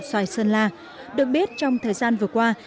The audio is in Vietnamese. xoài sơn la được biết trong thời gian vừa qua